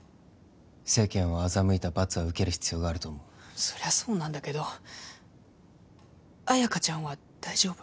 世間を欺いた罰は受ける必要があると思うそりゃそうなんだけど綾華ちゃんは大丈夫？